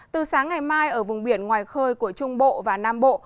từ sáng ngày mai ở vùng biển ngoài khơi của trung bộ và nam bộ